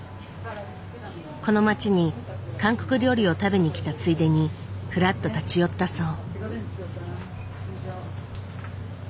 この街に韓国料理を食べに来たついでにふらっと立ち寄ったそう。